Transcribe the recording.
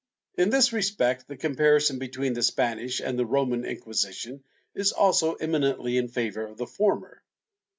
^ In this respect, the comparison between the Spanish and the Roman Inquisition is also eminently in favor of the former.